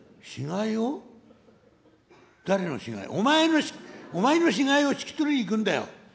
「お前のお前の死骸を引き取りに行くんだよ」。